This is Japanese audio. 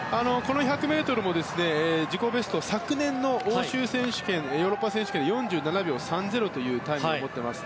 この１００ｍも自己ベスト昨年のヨーロッパ選手権での４７秒３０というタイムを持っています。